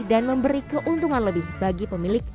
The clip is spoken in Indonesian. dan memberi keuntungan lebih bagi pemilik